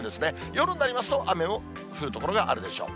夜になりますと、雨も降る所があるでしょう。